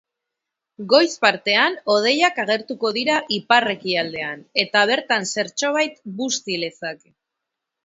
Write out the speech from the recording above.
Goiz partean hodeiak agertuko dira ipar-ekialdean, eta bertan zertxobait busti lezake.